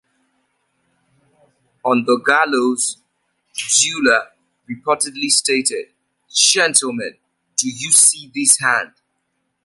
On the gallows, Dula reportedly stated, Gentlemen, do you see this hand?